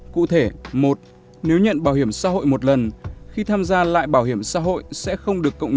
cụ thể một nếu nhận bảo hiểm xã hội một lần khi tham gia lại bảo hiểm xã hội sẽ không được cộng